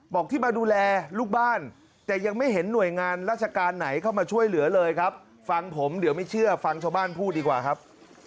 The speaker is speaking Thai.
บอกที่มาดูแลลูกบ้านแต่ยังไม่เห็นหน่วยงานราชการไหนเข้ามาช่วยเหลือเลยครับฟังผมเดี๋ยวไม่เชื่อฟังชาวบ้านพูดดีกว่าครับ